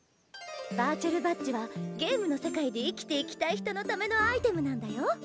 バーチャルバッジはゲームの世界で生きていきたい人のためのアイテムなんだよ。